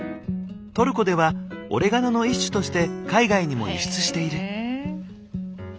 トルコでは「オレガノ」の一種として海外にも輸出している。